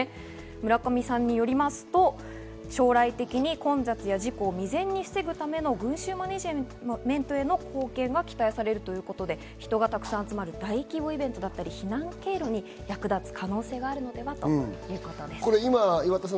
村上さんによりますと、将来的には混雑や事故を未然に防ぐための群衆マネジメントへの貢献が期待されるということで、人がたくさん集まる大規模イベントだったり、避難経路に役立つ可能性があるのではということです。